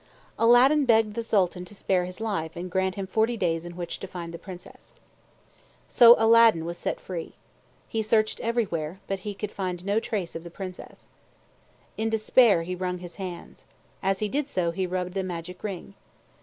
Aladdin begged the Sultan to spare his life and grant him forty days in which to find the Princess. So Aladdin was set free. He searched everywhere, but he could find no trace of the Princess. In despair, he wrung his hands. As he did so, he rubbed the magic ring.